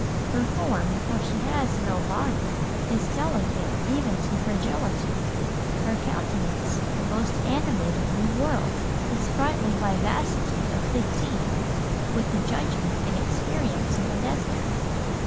her form (for she has no body) is delicate even to fragility; her countenance the most animated in the world; the sprightly vivacity of fifteen, with the judgment and experience of a Nestor."